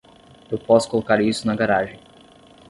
Eu posso colocar isso na garagem.